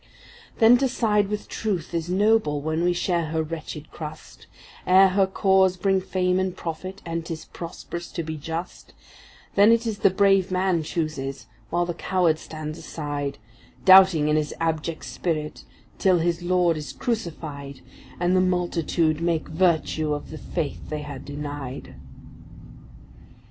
Then to side with Truth is noble when we share her wretched crust, Ere her cause bring fame and profit, and ’tis prosperous to be just; Then it is the brave man chooses, while the coward stands aside, Doubting in his abject spirit, till his Lord is crucified, And the multitude make virtue of the faith they had denied.